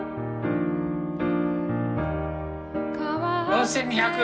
４，２００！